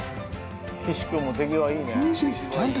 岸君も手際いいね。